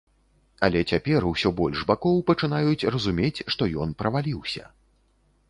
Але цяпер усё больш бакоў пачынаюць разумець, што ён праваліўся.